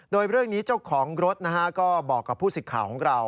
โดยเรื่องนี้เจ้าของรถนะฮะก็บอกกับผู้สิทธิ์ข่าวของเรา